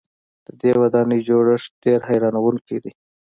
د دې ودانۍ جوړښت ډېر حیرانوونکی دی.